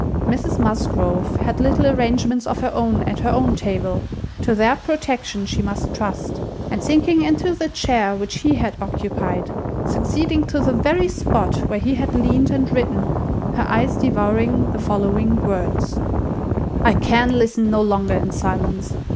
Mrs Musgrove had little arrangements of her own at her own table; to their protection she must trust, and sinking into the chair which he had occupied, succeeding to the very spot where he had leaned and written, her eyes devoured the following words: "I can listen no longer in silence.